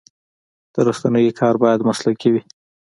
د رسنیو کار باید مسلکي وي.